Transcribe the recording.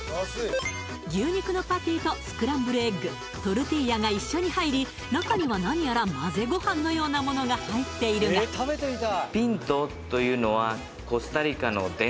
牛肉のパティとスクランブルエッグトルティーヤが一緒に入り中には何やら混ぜごはんのようなものが入っているがのことです